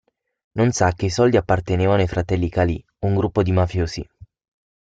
Non sa che i soldi appartenevano ai fratelli Calì, un gruppo di mafiosi.